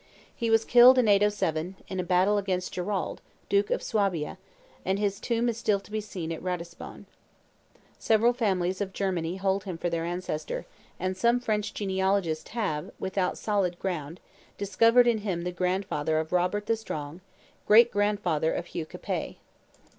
He was killed in 807, in a battle against Gerold, duke of Suabia, and his tomb is still to be seen at Ratisbonne. Several families of Germany hold him for their ancestor; and some French genealogists have, without solid ground, discovered in him the grandfather of Robert the Strong, great grandfather of Hugh Capet.